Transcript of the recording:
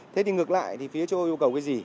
thế thì ngược lại thì phía châu âu yêu cầu cái gì